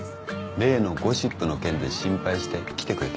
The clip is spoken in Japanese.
例のゴシップの件で心配して来てくれた。